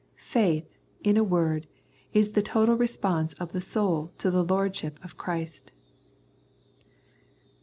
Faith, in a word, is the total response of the soul to the Lordship of Christ.